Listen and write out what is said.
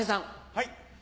はい。